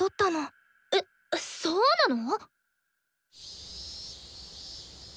えっそうなの！？